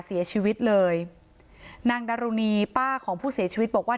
เสียชีวิตเลยนางดารุณีป้าของผู้เสียชีวิตบอกว่า